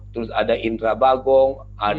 terus ada indra bagong